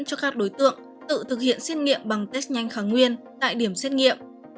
cho các đối tượng tự thực hiện xét nghiệm bằng test nhanh kháng nguyên tại điểm xét nghiệm